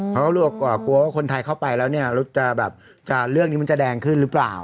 กลัวกลัวว่าคนไทยเข้าไปแล้วเนี่ยเรื่องนี้มันจะแดงขึ้นหรือเปล่า